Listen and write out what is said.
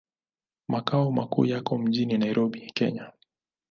Makao makuu yako mjini Nairobi, Kenya.